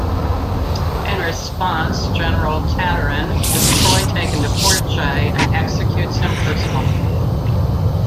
In response, General Tatarin has Troy taken to Fort Jay and executes him personally.